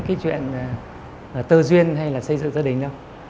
cái chuyện tơ duyên hay là xây dựng gia đình đâu